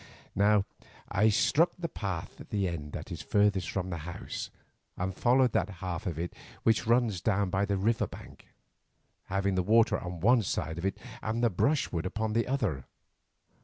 Now I struck the path at the end that is furthest from this house, and followed that half of it which runs down by the river bank, having the water on one side of it and the brushwood upon the other.